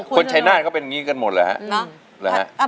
คนไชนาธิ์ก็เป็นแบบนี้กันหมดหรรึนะ